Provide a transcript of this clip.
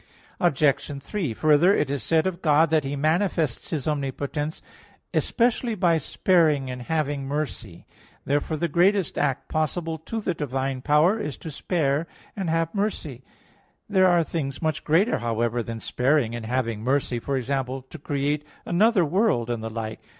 Obj. 3: Further, it is said of God that He manifests His omnipotence "especially by sparing and having mercy" [*Collect, 10th Sunday after Pentecost]. Therefore the greatest act possible to the divine power is to spare and have mercy. There are things much greater, however, than sparing and having mercy; for example, to create another world, and the like.